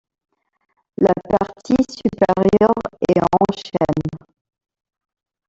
La partie supérieure est en chêne.